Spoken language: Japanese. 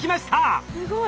すごい。